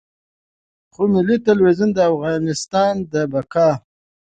خو ملي ټلویزیون د افغانستان د بقا.